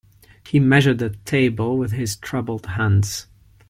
He measured the table with his troubled hands.